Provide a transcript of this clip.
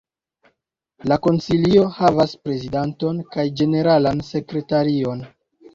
La Konsilio havas prezidanton kaj ĝeneralan sekretarion.